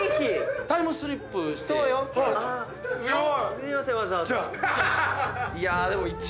すいませんわざわざ。